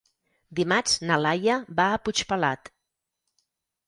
Dimarts na Laia va a Puigpelat.